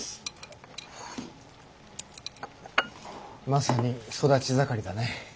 まさに育ち盛りだね。